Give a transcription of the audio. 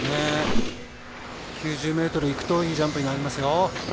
９０ｍいくといいジャンプになりますよ。